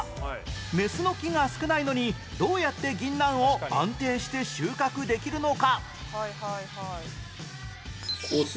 メスの木が少ないのにどうやって銀杏を安定して収穫できるのか？